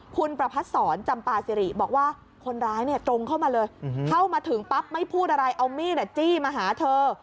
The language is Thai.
คุณประพัทธ์ศรจำปาซิริบอกว่าคนร้ายเนี่ยตรงเข้ามาเลยเข้ามาถึงปั๊บไม่พูดอะไรเอามีดจี้มาหาเธอ